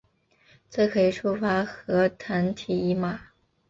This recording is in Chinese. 这可以触发核糖体移码。